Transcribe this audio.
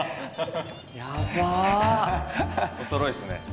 おそろいっすね。